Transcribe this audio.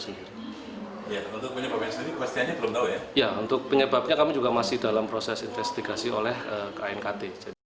sendiri untuk penyebabnya kami juga masih dalam proses investigasi oleh knkt